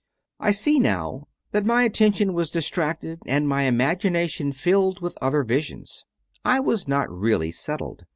I see now that my attention was distracted and my im agination filled with other visions; I was not really settled.